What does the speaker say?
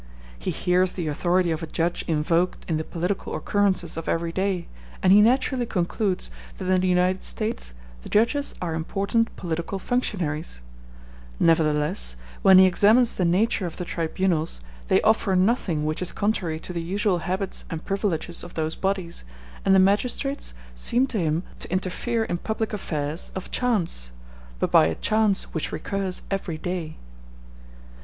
He hears the authority of a judge invoked in the political occurrences of every day, and he naturally concludes that in the United States the judges are important political functionaries; nevertheless, when he examines the nature of the tribunals, they offer nothing which is contrary to the usual habits and privileges of those bodies, and the magistrates seem to him to interfere in public affairs of chance, but by a chance which recurs every day.